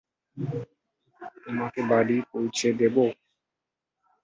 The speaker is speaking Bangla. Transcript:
তোমাকে বাড়ি পৌঁছে দেব?